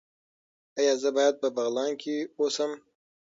ایا زه باید په بغلان کې اوسم؟